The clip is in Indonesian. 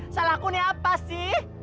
salahku ini apa sih